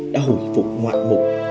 đã hồi phục ngoại mục